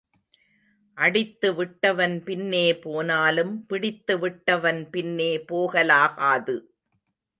அடித்து விட்டவன் பின்னே போனாலும் பிடித்து விட்டவன் பின்னே போகலாகாது.